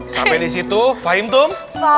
sampai disitu fahim tum